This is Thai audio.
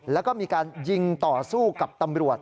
แล้วก็มีการยิงต่อสู้กับตำรวจ